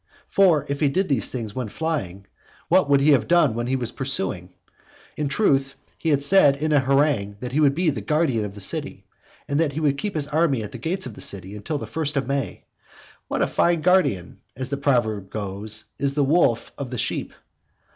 for if he did these things when flying, what would he have done when he was pursuing? In truth, he had said in a harangue that he would be the guardian of the city; and that he would keep his army at the gates of the city till the first of May. What a fine guardian (as the proverb goes) is the wolf of the sheep!